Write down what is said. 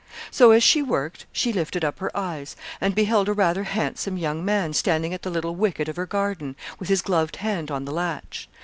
So, as she worked, she lifted up her eyes, and beheld a rather handsome young man standing at the little wicket of her garden, with his gloved hand on the latch.